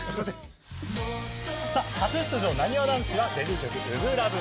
初出場、なにわ男子はデビュー曲「初心ＬＯＶＥ」。